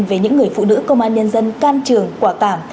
về những người phụ nữ công an nhân dân can trường quả cảm